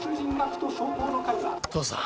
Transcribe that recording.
父さん。